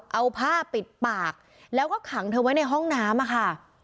เอาผ้าปิดปากแล้วก็ขังเธอไว้ในห้องน้ำค่ะ